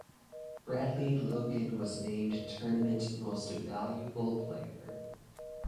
Bradley Logan was named Tournament Most Valuable Player.